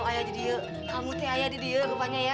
jika kamu tidak tahu kamu tidak tahu juga rupanya ya